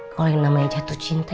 kalau yang namanya jatuh cinta